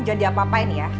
jadi apapain ya